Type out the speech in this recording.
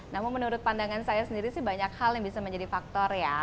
namun menurut pandangan saya sendiri sih banyak hal yang bisa menjadi faktor ya